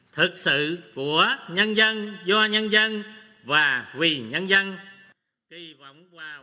thực sự của nhân dân do nhân dân và vì nhân dân